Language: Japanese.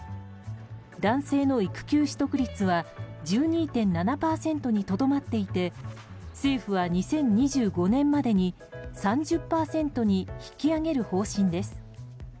男性の育休取得率は１２．７％にとどまっていて政府は２０２５年までに３０％に引き上げる方針です。